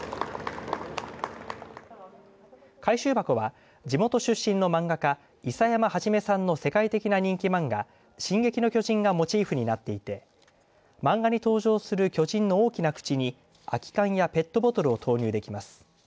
回収箱は、地元出身の漫画家諌山創さんの世界的な人気漫画進撃の巨人がモチーフになっていて漫画に登場する巨人の大きな口に空き缶やペットボトルを投入できます。